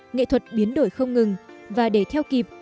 nghệ thuật biến đổi không ngừng và để theo kịp